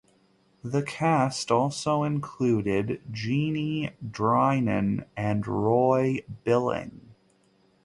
The cast also included Jeanie Drynan and Roy Billing.